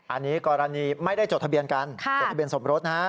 อันนี้กรณีไม่ได้จดทะเบียนกันจดทะเบียนสมรสนะฮะ